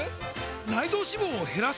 内臓脂肪を減らす！？